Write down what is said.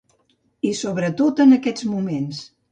I sobretot en aquests moments.